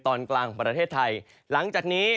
ตอนกลางของประเทศไทยหลังจากนี้